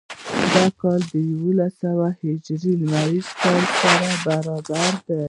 دا کال له یوولس سوه یو هجري لمریز کال سره برابر دی.